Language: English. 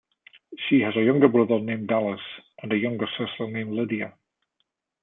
She has a younger brother named Dallas and a younger sister named Lydia.